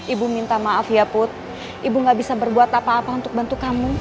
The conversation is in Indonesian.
ibu minta maaf ya put ibu gak bisa berbuat apa apa untuk bantu kamu